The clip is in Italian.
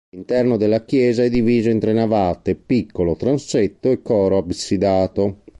L'interno della chiesa è diviso in tre navate, piccolo transetto, e coro absidato.